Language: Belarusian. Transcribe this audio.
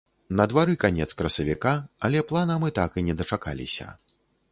На двары канец красавіка, але плана мы так і не дачакаліся.